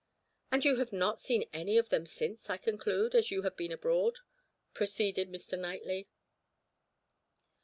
"And you have not seen any of them since, I conclude, as you have been abroad," proceeded Mr. Knightley.